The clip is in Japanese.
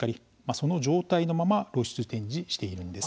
その状態のまま露出展示しているんです。